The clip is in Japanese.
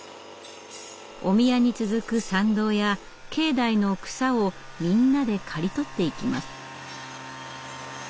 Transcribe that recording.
お宮に続く参道や境内の草をみんなで刈り取っていきます。